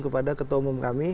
kepada ketua umum kami